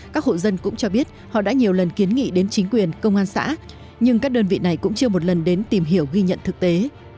các hộ dân cũng cho biết họ đã nhiều lần kiến nghị đến chính quyền công an xã nhưng các đơn vị này cũng chưa một lần đến tìm hiểu ghi nhận thực tế